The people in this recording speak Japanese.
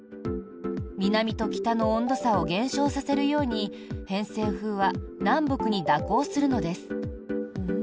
南と北の温度差を減少させるように偏西風は南北に蛇行するのです。